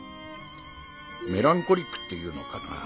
メランコリックっていうのかなぁ